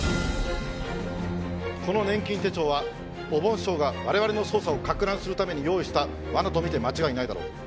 この年金手帳はおぼん師匠が我々の捜査を攪乱するために用意した罠とみて間違いないだろう。